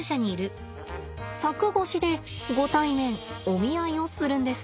柵越しでご対面お見合いをするんです。